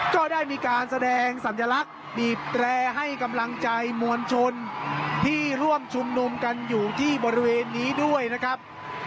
ก็ได้มีการแสดงสัญลักษณ์บีบแตรให้กำลังใจมวลชนที่ร่วมชุมนุมกันอยู่ที่บริเวณนี้ด้วยนะครับ